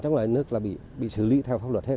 trong ngoài nước là bị xử lý theo pháp luật hết